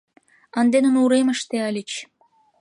Ынде нуно уремыште ыльыч.